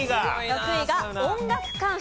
６位が音楽鑑賞。